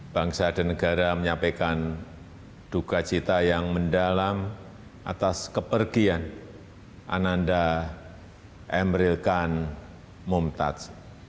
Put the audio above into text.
bangsa dan negara menyampaikan duka cita yang mendalam atas kepergian ananda emeril kan mumtaz